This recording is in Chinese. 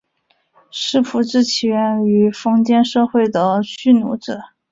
世仆制起源于封建社会的蓄奴制。